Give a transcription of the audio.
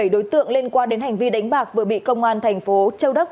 hai mươi bảy đối tượng liên quan đến hành vi đánh bạc vừa bị công an tp châu đốc